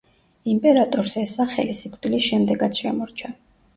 იმპერატორს ეს სახელი სიკვდილის შემდეგაც შემორჩა.